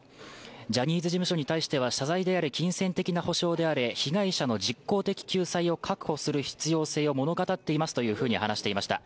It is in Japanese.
ジャニーズ事務所に対しては謝罪であれ金銭的な補償であれ被害者の実効的救済を確保する必要性を物語っていますというふうに話していました。